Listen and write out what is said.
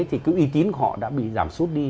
thì cứ y tín của họ đã bị giảm sút đi